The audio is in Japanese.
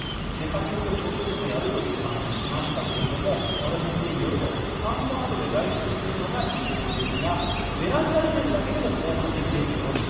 先ほどちょっとずつやるというお話をしましたが和田先生によると散歩などで外出するのが理想ですがベランダに出るだけでも効果的ですよと。